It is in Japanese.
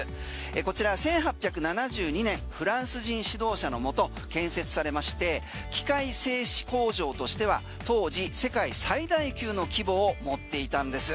こちら１８７２年フランス人指導者のもと建設されまして器械製糸工場としては当時、世界最大級の規模を持っていたんです。